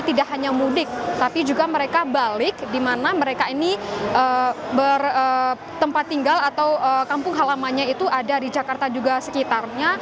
tidak hanya mudik tapi juga mereka balik di mana mereka ini bertempat tinggal atau kampung halamannya itu ada di jakarta juga sekitarnya